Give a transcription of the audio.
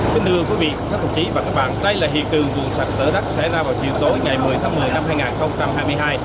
xin đưa quý vị các thông chí và các bạn đây là hiện trường vụ sạc lá đất xảy ra vào chiều tối ngày một mươi tháng một mươi năm hai nghìn hai mươi hai